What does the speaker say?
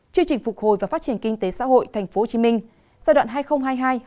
chương trình phục hồi và phát triển kinh tế xã hội tp hcm giai đoạn hai nghìn hai mươi một hai nghìn hai mươi năm